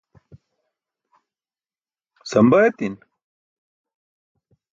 samba etin